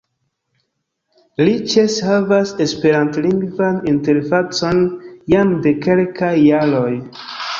Lichess havas esperantlingvan interfacon jam de kelkaj jaroj.